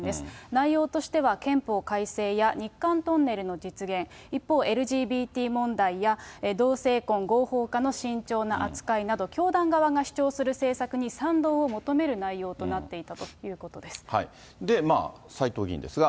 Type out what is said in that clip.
内容としては、憲法改正や日韓トンネルの実現、一方、ＬＧＢＴ問題や同性婚合法化の慎重な扱いなど、教団側が主張する政策に賛同を求める内容となっていたということ斎藤議員ですが。